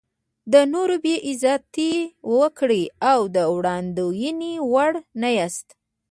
د نورو بې عزتي وکړئ او د وړاندوینې وړ نه یاست.